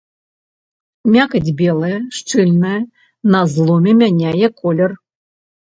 Мякаць белая, шчыльная, на зломе мяняе колер.